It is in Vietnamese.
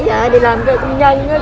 dạ đi làm công nhân đó cô